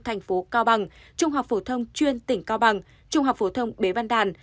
thành phố cao bằng trung học phổ thông chuyên tỉnh cao bằng trung học phổ thông bế văn đàn